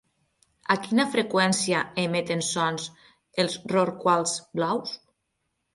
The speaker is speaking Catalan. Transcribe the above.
A quina freqüència emeten sons els rorquals blaus?